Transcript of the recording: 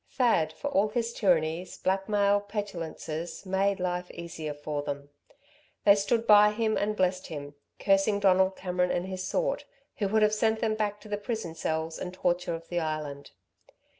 Thad, for all his tyrannies, blackmail, petulances, made life easier for them. They stood by him and blessed him, cursing Donald Cameron and his sort, who would have sent them back to the prison cells and torture of the Island.